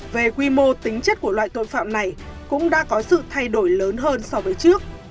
về quy mô tính chất của loại tội phạm này cũng đã có sự thay đổi lớn hơn so với trước